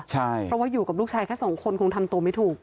เพราะว่าอยู่กับลูกชายแค่สองคนคงทำตัวไม่ถูก